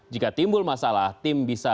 jika timbul masalah tahan air dan pakaian ganti